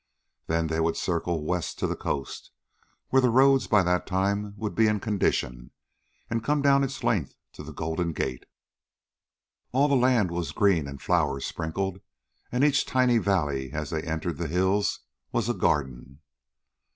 Then they would circle west to the coast, where the roads by that time would be in condition, and come down its length to the Golden Gate. All the land was green and flower sprinkled, and each tiny valley, as they entered the hills, was a garden.